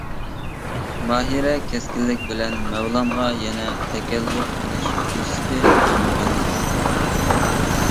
ماھىرە كەسكىنلىك بىلەن مەۋلانغا يەنە تەكەللۇپ قىلىش پۇرسىتى قويمىغانىدى.